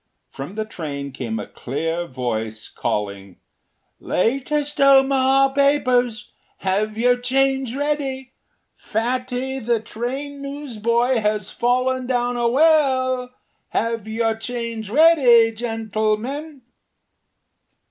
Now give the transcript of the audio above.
From the train came a clear voice calling, “Latest Omaha papers! Have your change ready! Fatty, the train newsboy, has fallen down a well! Have your change ready, gentlemen!